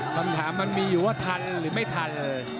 คำถามมันมีอยู่ว่าทันหรือไม่ทันเลย